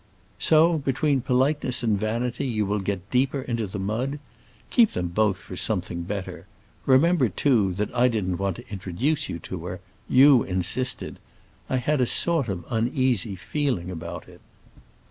"So, between politeness and vanity, you will get deeper into the mud? Keep them both for something better. Remember, too, that I didn't want to introduce you to her; you insisted. I had a sort of uneasy feeling about it."